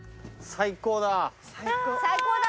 最高だ。